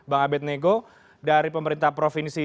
bang abed nego dari pemerintah provinsi